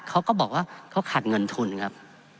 เขาก็บอกว่าเขาขาดเงินทุนครับ